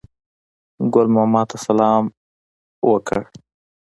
ګل ماما ته سلام ورکړ.